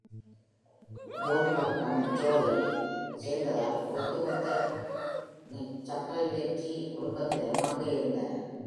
John பக்கம் Joey சேர்ந்ததால், ஒட்டுமொத்த Cappelletti குடும்பத்தினரும் அங்கே இருந்தனர்.